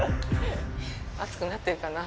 ・熱くなってるかな？